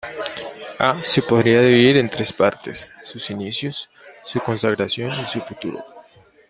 A se podría dividir en tres partes, sus inicios, su consagración y su futuro.